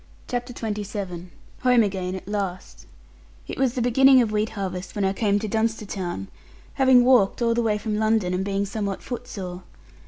CHAPTER XXVII HOME AGAIN AT LAST It was the beginning of wheat harvest, when I came to Dunster town, having walked all the way from London, and being somewhat footsore.